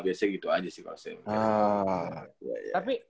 biasanya gitu aja sih kalo saya menurut saya